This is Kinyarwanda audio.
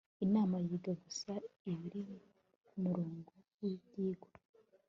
inama yiga gusa ibiri ku murongo w'ibyigwa